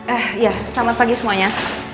eh ya selamat pagi semuanya